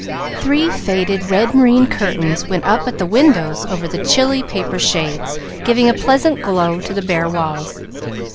Three faded red moreen curtains went up at the windows over the chilly paper shades, giving a pleasant glow to the bare walls.